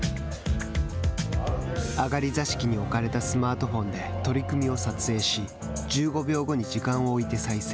上がり座敷に置かれたスマートフォンで取組を撮影し１５秒後に時間を置いて再生。